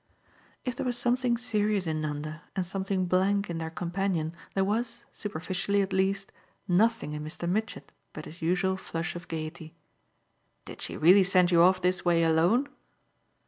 If there was something serious in Nanda and something blank in their companion, there was, superficially at least, nothing in Mr. Mitchett but his usual flush of gaiety. "Did she really send you off this way alone?"